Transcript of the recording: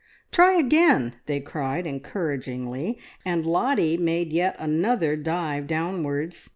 "Try again!" they cried encouragingly, and Lottie made yet another dive downwards.